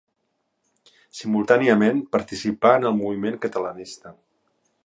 Simultàniament participà en el moviment catalanista.